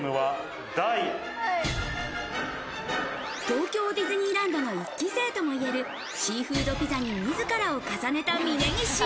東京ディズニーランドの１期生ともいえるシーフードピザにみずからを重ねた峯岸。